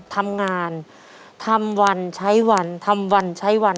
ทำงานทำวันใช้วันทำวันใช้วัน